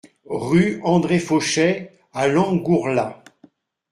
Rue André Fauchet à Langourla